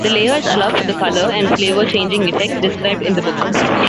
The layers allow for the colour and flavour changing effects described in the book.